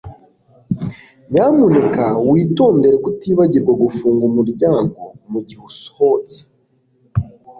Nyamuneka witondere kutibagirwa gufunga umuryango mugihe usohotse